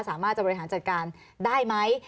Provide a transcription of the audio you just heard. สามารถจะบริหารจัดการได้ไหม